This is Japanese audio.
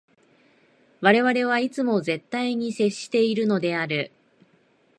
我々はいつも絶対に接しているのである。